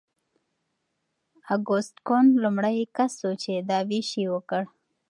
اګوست کنت لومړی کس و چې دا ویش یې وکړ.